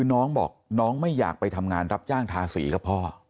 น้องบอกน้องไม่อยากไปทำงานรับจ้างทาสีกับพ่อ